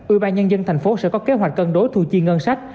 ưu ba nhân dân thành phố sẽ có kế hoạch cân đối thu chi ngân sách